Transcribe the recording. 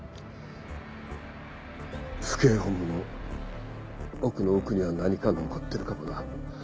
府警本部の奥の奥には何か残ってるかもな。